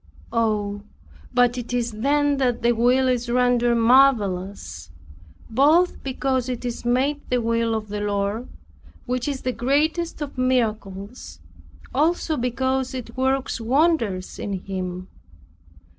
Oh, but it is then that the will is rendered marvelous, both because it is made the will of the Lord, which is the greatest of miracles; also because it works wonders in Him.